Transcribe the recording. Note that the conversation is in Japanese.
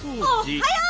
おっはよう！